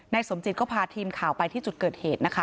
สมจิตก็พาทีมข่าวไปที่จุดเกิดเหตุนะคะ